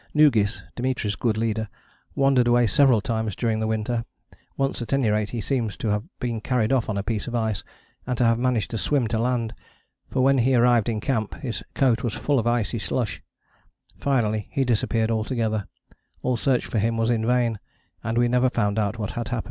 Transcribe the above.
Noogis, Dimitri's good leader, wandered away several times during the winter: once at any rate he seems to have been carried off on a piece of ice, and to have managed to swim to land, for when he arrived in camp his coat was full of icy slush: finally he disappeared altogether, all search for him was in vain, and we never found out what had happened.